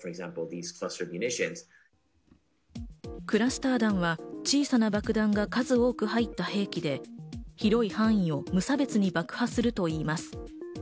クラスター弾は小さな爆弾が数多く入った兵器で広い範囲に無差別に爆破するといいます。